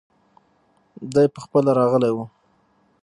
دی پخپله راغلی وو.